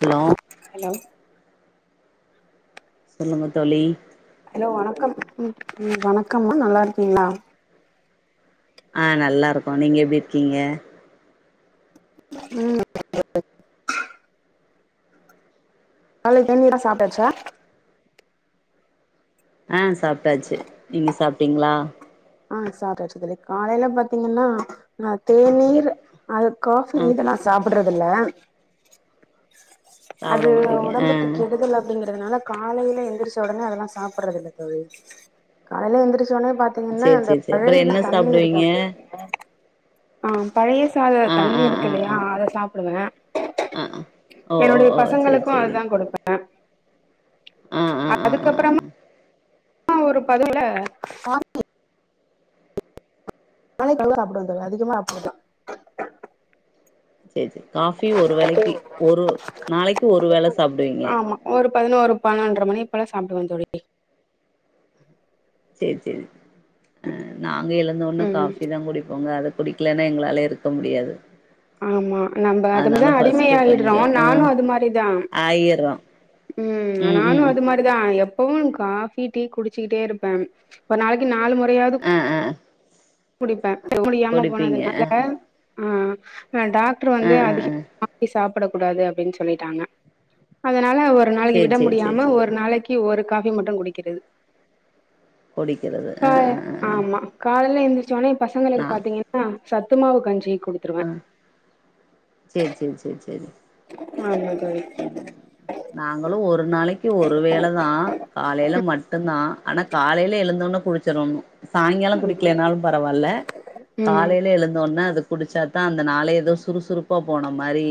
hello hello சொல்லுங்க தோழி hello வணக்கம் ம் வணக்கம்மா நல்லா இருக்கீங்ளா ஆ நல்லா இருக்கோ நீங்க எப்டி இருக்கீங்க ம் நாளை தண்ணிலா சாப்ட்டாச்சா ஆ சாப்ட்டாச்சி நீங்க சாப்ட்டீங்களா ஆ சாப்டாச்சி தோழி காலையில பாத்தீங்கின்னா அ தேநீர் அது காஃபி ஆ இதெல்லா சாப்பட்றது இல்ல அது சாப்ட மாட்டீங்க ஆ ஒடம்புக்கு கெடுதல் அப்டிங்கறதுனால காலையில எழுந்திரச்ச ஒடனே அதெல்லா சாப்றது இல்ல தோழி காலையில எந்திரச்சோனே பாத்தீ என்ன சேரி அந்த சேரி சேரி அப்றோ பழையிது என்ன தண்ணி சாப்டுவீங்க இருக்குல ஆ பழைய சாத ஆ தண்ணி ஆ இருக்கு ஆ ஆ இல்லையா அத சாப்புடுவ ஆ ஆ ஓ ஓ என்னுடைய ஓ சேரி பசங்களுக்கு சேரி அதுதா குடுப்ப ஆ ஆ அ ஆ ஆ ஆ அதுக்கப்புறமா ஒரு பதிவுல [inaudible] சாப்டுவ தோழி அதிகமாக அப்டி தா சேரி சேரி காஃபி ஒரு வேளைக்கி ஒரு நாளைக்கு ஒரு வேள சாப்புடுவீங்க ஆமா ஒரு பதினோரு பன்னொன்ற மணி போலா சாப்டுவ தோழி சேரி சேரி அ நாங்க எழுந்தோனே கா ம் ஃபி தா குடிப்போங்க அதுக் குடிக்லன்னா எங்களால இருக்க முடியாது ஆமா நம்ப அதனால அதுமதா அடிம ஃபஸ்ட்டு ஆயிடுறோ கொஞ்சோ ஆ நானு அது மாரிதா ஆயிர்றோ ம் நானு அது மாரி அதா எப்பவு காஃபி டீ குடிச்சிக்கிட்டேருப்பே ஒரு நாளைக்கு நாலு முறையாவது ஆ ஆ குடிப்பே [inaudible] முடியாம குடிப்பீங்க ஆ போனதுனால ஆ டாக்டர் ஆ வந்து ஆ ஆ அதிகமா காஃபி சாப்டக் கூடாது அப்பிடின் சொல்லிட்டாங்க அதனால ஒரு ஒரு நாளைக்கு சேரி விட சேரி சேரி முடியாம சேரி ஒரு நாளைக்கு ஒரு காபி மட்டு குடிக்கிறது குடிக்கிறது ப ஆ ஆ ஆ ஆ ஆமா காலைல எழுந்துரச்சோனே என் நா பசங்களுக்கு பாத்தீங்கின்னா சத்துமாவு கஞ்சி குடுத்துருவே சேரி சேரி சேரி சேரி ஆமா தோழி ம் நாங்களு ஒரு நாளைக்கு ஒரு வேள தா காலைல மட்டு தா ஆனா காலைல எழுந்தொனோ குடிச்சிடணு சாயங்காலோ குடிக்கலனாலு பரவால்ல ம் காலைல எழுந்தோனே அதுக் குடிச்சாதா அந்த நாளே ஏதோ சுறுசுறுப்பா போன மாரி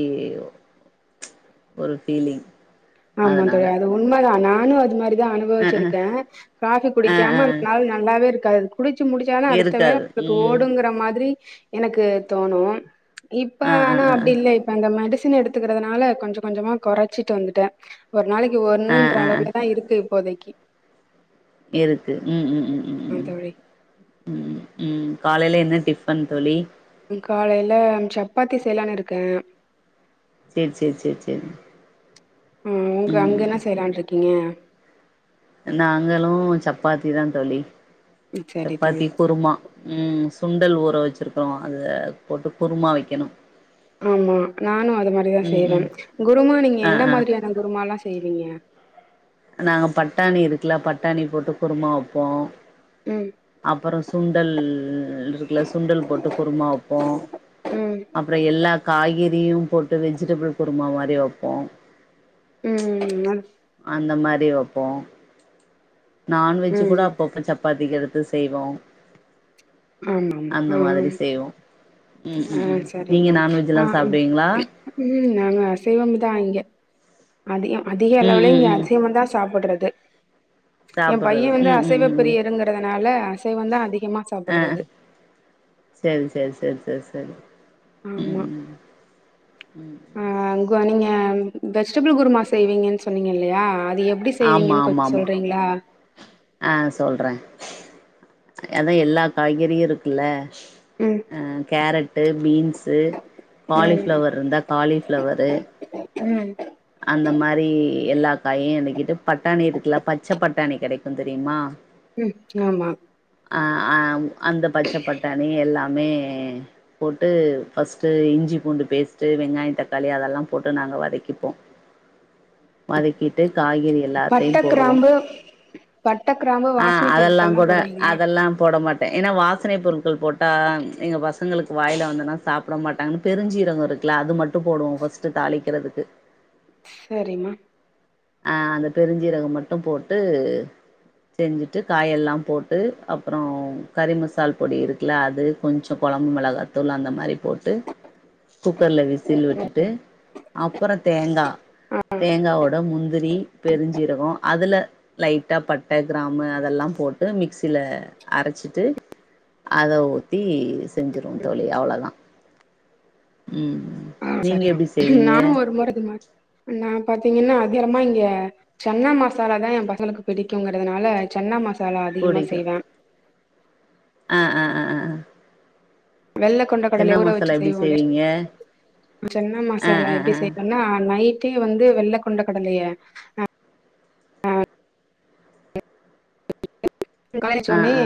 ஒரு ஃபீலிங் ஆமா தோழி அதனால அது உண்மதா நானு அது மாரிதா ஆ அனுபவிச்சிருக்கே ஆ காஃபி ஆ ஆ குடிக்காம அந்த நாள் நல்லாவே இருக்காது குடிச்சி முடிச்சாலு அடுத்த வேல இருக்காது நம்ளுக்கு ம் ஓடுங்குற மாரி எனக்கு தோணு இப்ப ஆ ஆ ஆனா ஆ அப்டி இல்ல இப்ப அந்த மெடிசின் எடுத்துக்குறதுனால கொஞ்சோ கொஞ்சமா குறைச்சிட்டு வந்துட்டே ஒரு நாளைக்கு ஆ ஒன்னுன்ற ஆ ஆ அளவு தாருக்கு இப்போதைக்கி இருக்கு ம் ம் ம் ம் ஆ ம் தோழி ம் ம் காலைல என்ன டிஃபன் தோழி காலைல சப்பாத்தி செய்யலானுருக்கே சேரி சேரி சேரி சேரி ஆ உங்க அங்க ம் என்ன செய்லான்ருக்கீங்க நாங்கலு சப்பாத்தி தா தோழி சரி சப்பாத்தி தோழி குருமா ம் சுண்டல் ஊற வச்சிருக்கிறோ அத போட்டு குருமா வைக்கணு ஆமா நானு அது மாதிரிதா ம் செய்வே ம் குருமா நீங்க ஆ என்ன ஆ மாதிரியான குருமால்லா செய்வீங்க நாங்க பட்டாணி இருக்குல பட்டாணி போட்டு குருமா வப்போ ம் அப்றோ சுண்டல் இருக்குல சுண்டல் போட்டு குருமா வப்போ ம் அப்றௌ எல்லா காய்கறி போட்டு வெஜிடபிள் குருமா மாரி வப்போ ம் ஆ அந்த மாரி வப்போ நண்வெஜ் கூட ம் அப்பப்ப சப்பாத்திக்கு எடுத்து செய்வோ ஆமா ஆமா அந்த ஆ மாரி செய்வோ ம் ம் ஆ ம் சரிங்க நீங்க மேம் ஆ நான்வெஜ்ல்லா சாப்டுவீங்களா ம் நாங்க அசைவம் தா இங்க அதிகம் அதிக ம் அளவுலயு ம் இங்க ம் அசைவம் தா சாப்பிடுறது என் பையே சாப்புட்றது வந்து ம் ம் அசைவ ம் ம் பிரியருங்கிறதுனால அசைவம் தா அதிகமா சாப்புட்றது சேரி சேரி சேரி சேரி சேரி ஆமா ஆ நீங்க வெஜிடபிள் குருமா செய்வீங்கன்னு சொன்னீங்க இல்லயா அது எப் டி ஆமா செய்வீங்கன்னு ஆமா கொஞ்சோ ஆமா சொல்றீங்ளா ஆ சொல்றே அதா எல்லா காய்கறியு இருக்குல்ல ம் அ கேரட்டு பீன்ஸு ம் காலிஃளவர் இருந்தா காலிஃளவரு ம் அந்த மாரி எல்லா காயூ விக்குது பட்டாணி இருக்குல்ல பச்ச பட்டாணி கிடைக்கூ தெரியுமா ம் ஆமா அ அ அந்த பச்சை பட்டாணி எல்லாமே போட்டு ஃர்ஸ்ட்ட் இஞ்சி பூண்டு பேஸ்ட்ட் வெங்காயே தக்காளி அதெல்லா போட்டு நாங்க வதக்கிப்போ வதக்கிட்டு காய்கறி பட்ட எல்லாத்தையூ போடுவோ கிராம்பு பட்ட கிராம்பு ஆ வாசனை அதெல்லா பொருட்கள்லா கூட போடுவீங்களா அதெல்லா போட மாட் ஏன்னா வாசனை பொருட்கள் போட்டா எங்க பசங்களுக்கு வாயில் வந்தனா சாப்பிட மாட்டாங்க பெஞ்சீரங்கம் இருக்குல்ல அது மட்டூ போடுவோ ஃபர்ஸ்ட்டு தாளிக்கிறதுக்கு சரிம்மா அ அந்த பெருஞ்சீரகம் மட்டூ போட்டு செஞ்சுட்டு காயெல்லா போட்டு அப்புறம் கறி மசால் பொடி இருக்குல்ல அது கொஞ்சொ கொழம் மிளகாத்தூள் அந்த மாதிரி போட்டு குக்கர்ல விசில் விட்டுட்டு அப்புறோ தேங்கா ஆ தேங்காவேட முந் திரி பெருஞ்சீரகம் அதுல லைட்டா பட்ட கிராம் அதெல்லா போட்டு மிக்சில அரைச்சிட்டு அத ஊத்தி செஞ்சுறுவோ தோழி அவ்ளோதா ம் ஆ நீங்க சரிங் எப்டி செய்வீங்க நானூ ஒரு முறை இத்மா நான் பாத்தீங்கன்னா அதிகரமா இங்க சென்னா மசாலா தா எங் பசங்களுக்கு பிடிக்குங்ககுறதுனால சென்னா மசாலா அதிகமா புடிக்கும் செய்வே ஆ ஆ ஆ வெள்ள கொண்ட சென்னா கடல ஊற வச்சு மசாலா எப்டி செய்வோ இல்லியா செய்வீங்க சென்ன ஆ ஆ மசாலா எப்டி ஆ செய் எஏன்னா நைட்டே வந்து வெள்ளை கொண்ட கடலையே காலைல எத்திரிச்ச ஆ உட்னே ஆ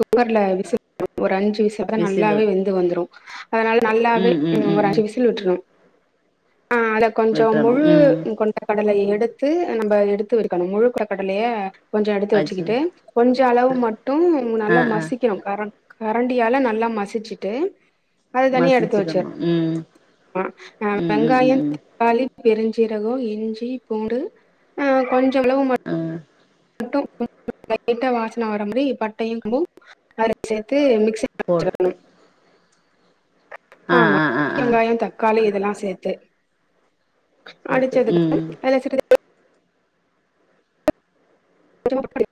குக்கர்ல விசல் ஒரு அஞ்சு விசல் தான் விசில் நல்லாவே விட்டு வெந்து வந்துரூம் அதனால நல்லாவே ம் ஒரு அஞ்சு விசில் விட்டுர்னூ ஆ அத கொஞ்சொ விட்றணு முழு ம் கொண் கடலைய எடுத்து நம்ம எடுத்து வைக்கணூ முழுக் கொண்ட கடலைய கொஞ்சொ எடுத்து வச்சு வச்சுக்கிட்டு கொஞ்ச அளவு மட்டும் ஆ நல்லா ஆ மசிக்கணூ கர கரண்டியால நல்லா மசிச்சுட்டு அது தனிய எடுத்து வச்சிர் மசிச்சுக்கணு ம் ம் ம் ம் வெங்காயோ ம் தக்காளி பெருஞ்சீரகோ இஞ்சி பூண்டு ஆ கொஞ்சோ அளவு மட் ஆ [unintelligible] லைட்டா வாசன வர மாதிரி பட்டையூ [unintelligible] நரீக் சேர்த்து மிக்சில போட்டு [unintelligible] ம் ஆ ஆமா ஆ ஆ ஆ யோம் தக்காளி இதெல்லா சேத்து சேத்து ம் அடிச்சதுக்கப்றோ எல்லா சேத்து [unintelligible]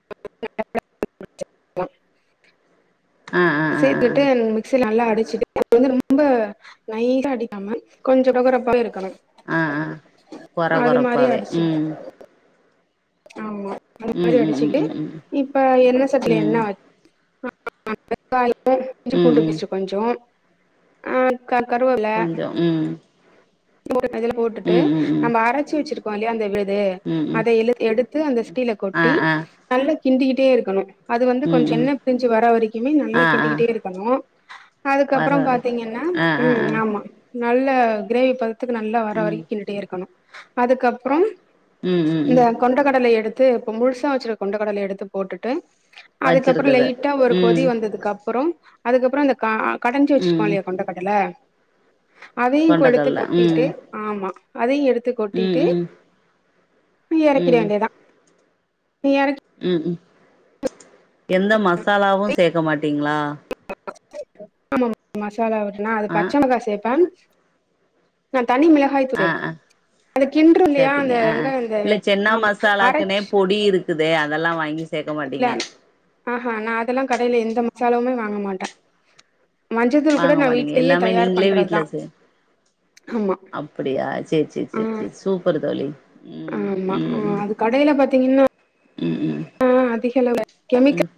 ஆ ஆ ஆ ஆ ஆ சேர்த்துட்டு மிக்சிய நல்லா அடிச்சிட்டு வந்து ரொம்ப நைஸா அடிக்காம கொஞ்சொ கொர கொரப்பா இருக்கணோ அ ஆ கொர கொரப்பாவே அடிச்சுக்கிட்டு ம் ஆமா அந்த ம் மாதிரி ம் ம் அடிச்சுக்குட்டு ம் ம் இப்ப எண்ணெ சட்டில ம் எண்ணெ வெங்காயம் இஞ்சி ம் பூண்டு ம் பேஸ்ட் கொஞ்சொ ஆ கருவேப்பிள கொஞ்சோ ம் [unintelligible] இதுல போட்டுட்டு ம் ம் ம் நம்ப அரச்சி வெச்சிருக்கோ இல்லியா அந்த விழுது ம் ம் அத எழு எடுத் து அந்த சட்டில ஆ கொட்டி ஆ நல்லா கிண்டிகிட்டே இருக்கணு அது வந்து ம் கொஞ்சோ ம் எண்ணெப் பிர்ஞ்சி வரா வரிக்குமே ஆ நல்லாக் ஆ கிண்டிகிட்டே இருக்கணு வர அதுக்கப்பறம் வரை பாத்தீங்கன்னா ஆ ஆ ம் ஆ ஆமா நல்ல கிரேவி பதத் துக்கு நல்லா வர ம் வரிக்கு கிண்டிகிட்டே இருக்கணு அதுக்கப்றோம் ம் ம் ம் கொண்டகடலை எடுத்து இப்ப முழுசா வெச்சிருக் கொண்ட கடல எடுத்துப் போட்டுட்டு அதுக்கப்பறோ வச்சிருக்குது லைட்டா ஒரு கொதி ம் வந்ததுக்கப்பறோ அதுக்கப்றோ இந்தக்க கடஞ்சு வெச்சிருக்கோ ம் இல்லையா கொண்டக் கடல அதையுங் கொடுத்து கொண்டக்கல்ல கொட்டிட்டு ம் ஆமா அதையு எடுத்து ம் கொட்டிட்டு ம் எறக்கிட ம் வேண்டியதா நீ எறக்கி ம் ம் எந்த மசாலாவு சேக்க மாட்டீங்ளா [unintelligible] ஆமாம் மசாலா விட்னா அதுப் ஆ பச்சமெளகா சேப்பே நாத் தனி மிள ஆ [unintelligible] ஆ அதக் கின்றோ இல்லியா அந்த சேப்பீங்க ஆ ஆ வெங்காயோ இந்த ஆமா அரச்சு குதே அதெல்லா வாங்கி சேக்க மாட்டீங்க ஆஹ நா அதெல்லாங் கடைல எந்த மசாலாவுமே வாங்க மாட்டே மஞ்சதூள் கூட வாங்க நா மாட்டீங்க வீட்லயே எல்லாமே தயார் நீங்களே பண்றத்தா அப்புடியா சே சே ஆ சே சே சூப்பரு தோழி ம் ஆமா ஆ ம் அது கடைல பாத்தீங்கின்னா ம் ம் அதிகளவுல கெமிக்கல் ம்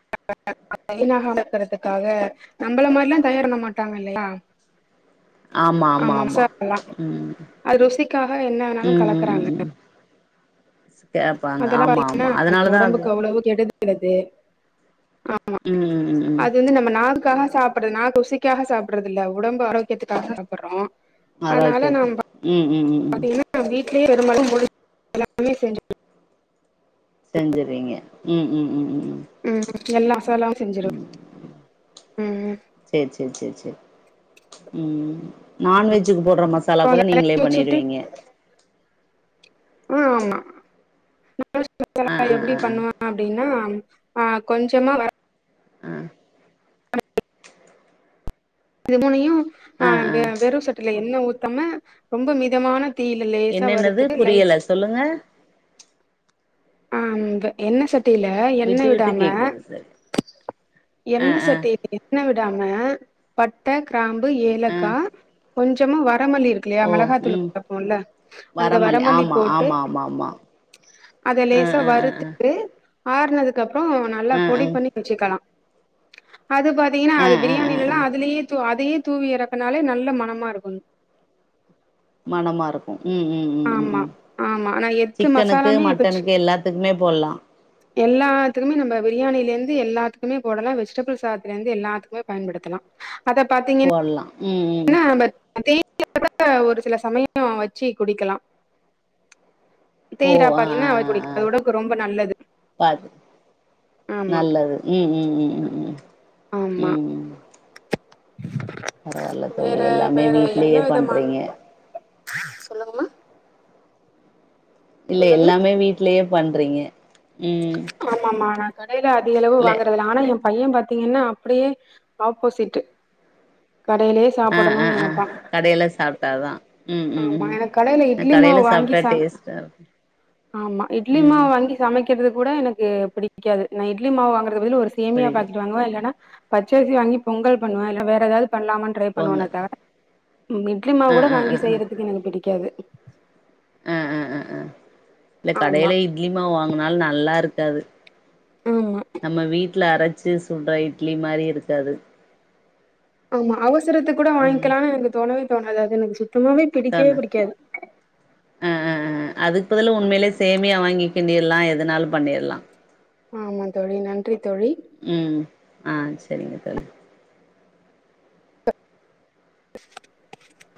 [unintelligible] வீணாகாம இருக்கறதுக்காக நம்பள மார்லாந் தயார் பண்ண மாட்டாங்க இல்லயா [unintelligible] ஆமா ஆமா ஆமா ம் ம் அது ருசிக்காக என்ன வேணாலு ம் ம் கலக்குறாங்க ம் கேப்பாங்க ஆமா ஆமா அதனாலதா அது வுளவு கேட்டது [unintelligible] ஆமா ம் ம் ம் ம் அது வந்து நம்ம நாக்குகாக சாப்பறது நாக் ருசிக்காக சாப்பிடறதில்ல உடம்பு ஆரோக்கியத்துக்காக சாப்புர்றோ ஆரோக்யத்து ம் ம் ம் ம் பாத்தீங்கின்னா வீட்லியே [unintelligible] செஞ்சுருவீங்க ம் ம் ம் ம் ம் ம் எல்லா மசாலாவு செஞ்சிருவே ம் சேர் சேர் சேர் சேர் ம் ம் ம் நான்வெஜ்ஜுகு போட்ற மசாலாக் அப்புறோ கூட நீங்ளே இறக்கி வச்சுட்டு பண்ணிருவீங்க அ ஆமா நான்வெஜ்ஜு ஆ மசாலா ஆ எப்டி ஆ பண்ணுவே அப் டினாம் அ கொஞ்சமா வர ஆ இது மூனயு அ ஆ ஆ பே வெறு சட்டில எண்ணெ ஊத்தாம ரொம்ப மிதமானத் தீயில லேசா என்னென்னது வருதுட்டு லைச் புரியல சொல்லுங்க ஆ அந்த எண்ணெ சட் டில எண்ணெ விட்டு விட்டு விடாம கேக்குது சார் ஆ எண்ணெ ஆ சட்டி எண்ணெ விடாம பட்ட கிராம்பு ஆ ஏலக்கா கொஞ்சமா வரமல்லி இருக் கில்லியா ஓ மெளகாத்தூளு ம் கப்புல்ல அந்த வரமல்லி வரமல்லிப் ஆமா போட்டு ஆமா ஆமா ஆமா அத ஆ லேசா ஆ ஆ ஆ ஆ வறுத்துட்டு ஆறுனதுக்கு அப்பறோ ஆ பொடி பண்ணி வச்சுக்கலா அது பார்த்தீங்கன்னா ஆ அது ஆ ஆ பிரியாணில ஆ எல்லா அதுலயே தூ அதையே தூவி இறக்குனாலே நல்ல மனமா இருக்கு மனமா இருக்கு ம் ம் ம் ம் ஆமா ம் ஆமா ஆனா எட்டு மசாலாவுமே‌ போச்சி இதுக்குமே போடலா எல்லாத்துக்குமே நம்ம பிரியாணியில இருந்து எல்லாத்துக்குமே போடலா வெஜிடபிள் சாதத்துலே இருந்து எல்லாத்துக்குமே பயன்படுத்தலா அத பாத்தீங்கன் போட்லா ம் ம் இப்ப அந்த தேன் கூட ஒரு சில சமய வச்சு குடிக்கலா ஓ தேயரா ஆ பார்த்தீங்கன்னா தோழி அது உடம்புக்கு ரொம்ப நல்லது பாது ஆமா நல்லது ம் ம் ம் ம் ம் ஆமா ம் ம் பரவால்ல தோழி வேற எல்லாமே வேற என்ன வீட்லயே விதமான பண்றீங்க சொல்லுங்கமா இல்ல சொல்லுங்க எல்லாமே வீட்லயே பண்றீங்க ம் ம் ஆமா ஆமா நா கடையில அதிகளவு இல்ல வாங்குறதில்ல ஆனா எ பைய பாத்தீங்கன்னா அப்டியே ஆப்போசிட் கடயிலே ஆ ஆ சாப்பிடணும்னு ஆ நினப்ப கடையில சாப்ட்டாதா ம் ம் ஆமா என கடையில இட்லிமாவு வாங்கி சாப் சார்வி ஆமா இட்லிமாவு வாங்கி சமைக்கிறது கூட எனக்கு புடிக்காது நா இட்லி மாவு வாங்குறது பதில் ஒரு சேமியா புரியுது பாக்கெட் வாங்குவ இல்லன்னா பச்சறுசி வாங்கி பொங்கல் பண்ணுவே இல்ல வேற ஏதாவது பண்ணலாமான்னு ட்ரை பண்ணுவனே பொங்கல் தவர இட்லி மாவு ஆ கூட ஆ ஆ வாங்கி ஆ செய்யறதுக்கு எனக்கு பிடிக்காது ஆ ஆ ஆ ஆ இல்ல ஆமா, கடையில இட்லி மாவு வாங்கினாலு நல்லா இருக்காது ஆமா நம்ம வீட்ல அரைச்சு சுடுற இட்லி மாரி இருக்காது ஆமா அவசரத்து கூட ம் வாங்கிக்கலாம்னு எனக்கு தோணவே தோணாது அது எனக்கு சுத்தமாவே பிடிக்கவே தான பிடிக்காது ஆ ஆ ஆ அதுக்கு பதில் உண்மையிலே சேமியா வாங்கிக் கிண்டிடலா எதனாலு பண்ணிடலா ஆமா தோழி நன்றி தோழி ம் ஆ செரிங்க தோழி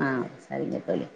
ஆ சரிங்க தோழி